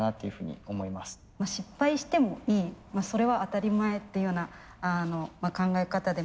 失敗してもいいそれは当たり前っていうような考え方で。